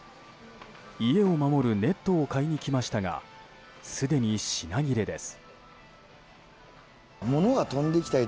家を守るネットを買いにきましたがすでに品切れです。